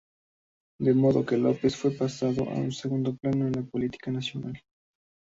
De modo que López fue pasando a un segundo plano en la política nacional.